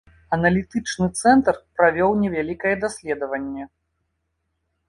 Аналітычны цэнтр правёў невялікае даследаванне.